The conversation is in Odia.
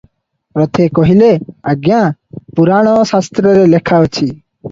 ରଥେ କହିଲେ, ଆଜ୍ଞା! ପୁରାଣ ଶାସ୍ତ୍ରରେ ଲେଖାଅଛି -